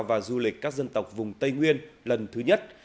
và du lịch các dân tộc vùng tây nguyên lần thứ nhất